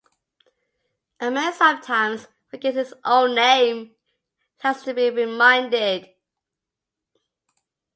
A man sometimes forgets his own name and has to be reminded.